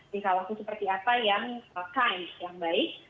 tingkah laku seperti apa yang baik